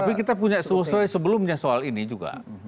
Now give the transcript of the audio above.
tapi kita punya selesai sebelumnya soal ini juga